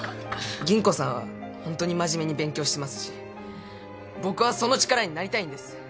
吟子さんはホントに真面目に勉強してますし僕はその力になりたいんです！